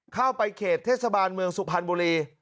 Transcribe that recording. เข้าไปเขตเทศบาลเมืองสุพรรณบุรี